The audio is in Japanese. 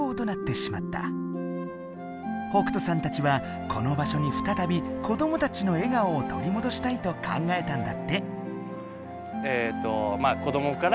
北斗さんたちはこの場所に再びこどもたちの笑顔を取りもどしたいと考えたんだって。